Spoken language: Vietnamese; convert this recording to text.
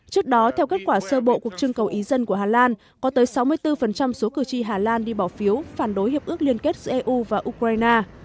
trước đó theo kết quả sơ bộ cuộc trưng cầu ý dân của hà lan có tới sáu mươi bốn số cử tri hà lan đi bỏ phiếu phản đối hiệp ước liên kết giữa eu và ukraine